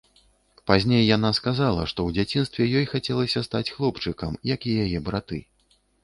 Пазней яна сказала, што ў дзяцінстве ёй хацелася стаць хлопчыкам, як і яе браты.